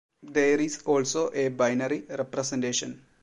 There is also a binary representation.